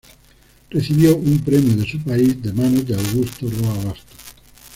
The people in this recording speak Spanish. Recibió un premio de su país de manos de Augusto Roa Bastos.